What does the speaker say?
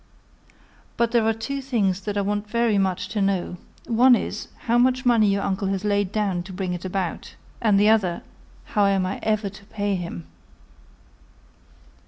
But there are two things that I want very much to know: one is, how much money your uncle has laid down to bring it about; and the other, how I am ever to pay him."